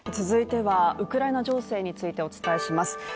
続いてはウクライナ情勢についてお伝えします